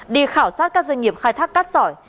đi khảo sát các doanh nghiệp khai thác cát sỏi